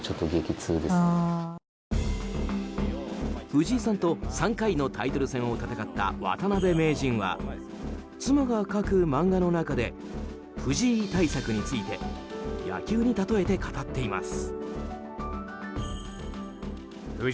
藤井さんと３回のタイトル戦を戦った渡辺名人は妻が描く漫画の中で藤井対策について野球に例えて語っています。